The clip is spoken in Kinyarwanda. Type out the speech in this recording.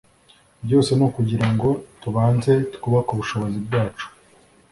byose ni ukugira ngo tubanze twubake ubushobozi bwacu